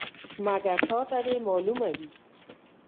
مګر تا ته دې معلومه وي.